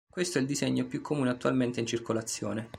Questo è il disegno più comune attualmente in circolazione.